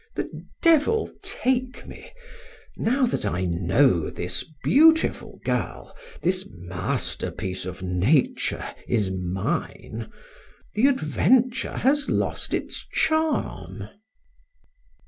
The devil take me, now that I know this beautiful girl, this masterpiece of nature, is mine, the adventure has lost its charm."